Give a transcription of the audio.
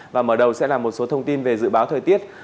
và mở đầu sẽ là một số thông tin về dự báo thời tiết